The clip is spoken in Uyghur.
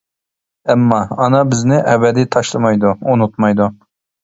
ئەمما، ئانا بىزنى ئەبەدىي تاشلىمايدۇ، ئۇنتۇمايدۇ.